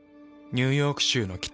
ニューヨーク州の北。